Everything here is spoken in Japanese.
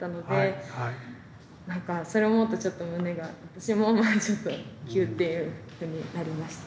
なんかそれを思うとちょっと胸が私もちょっとギューッていうふうになりました。